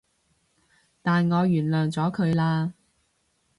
但我原諒咗佢喇